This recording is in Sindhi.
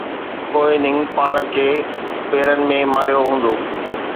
ڪوئي اننگ پاڻ کي پيرن ۾ ماريو هوندو